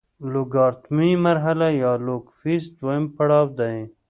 لوګارتمي مرحله یا لوګ فیز دویم پړاو دی.